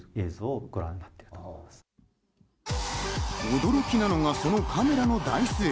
驚きなのがそのカメラの台数。